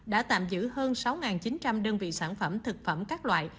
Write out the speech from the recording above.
đã tạm giữ hơn sáu chín trăm linh đơn vị sản phẩm thực phẩm các loại